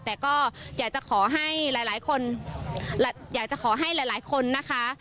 แต่ก็อยากจะขอให้หลายคนนะคะ